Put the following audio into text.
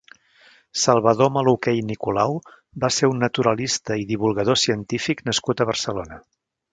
Salvador Maluquer i Nicolau va ser un naturalista i divulgador científic nascut a Barcelona.